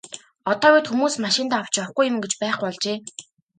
Одоо үед хүмүүс машиндаа авч явахгүй юм гэж байхгүй болжээ.